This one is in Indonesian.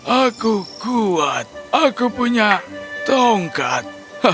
aku kuat aku punya tongkat